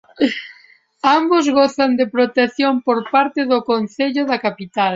Ambos gozan de protección por parte do Concello da capital.